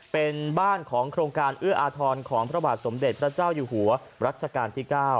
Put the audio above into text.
เป็นบ้านของโครงการเอื้ออาทรของพระบาทสมเด็จพระเจ้าอยู่หัวรัชกาลที่๙